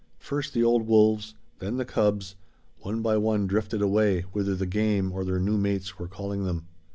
First the old wolves, then the cubs, one by one drifted away whither the game or their new mates were calling them.